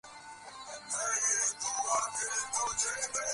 ভারতবর্ষের আর একটি ধর্মসম্প্রদায় পার্শী জাতি।